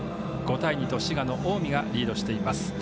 ５対２と滋賀、近江がリードしています。